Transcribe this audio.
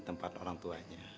tempat orang tuanya